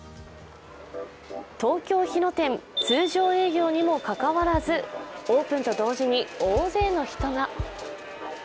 東京・日野店、通常営業にもかかわらずオープンと同時に大勢の人が。